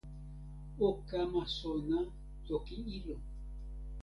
o kama sona toki ilo